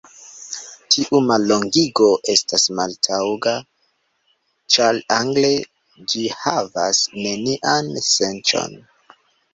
Tiu mallongigo estas maltaŭga ĉar angle ĝi havas nenian sencon.